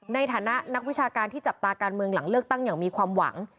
ในฐานะนักวิชาการที่จับตาการเมืองหลังเลือกตั้งอย่างมีความหวัง